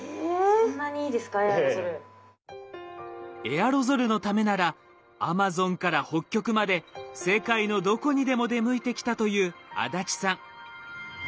エアロゾルのためならアマゾンから北極まで世界のどこにでも出向いてきたという足立さん。